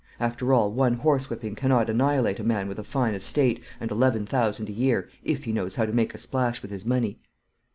After all, one horsewhipping cannot annihilate a man with a fine estate and eleven thousand a year, if he knows how to make a splash with his money.